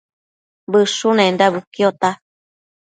Bëshunenda bëquiota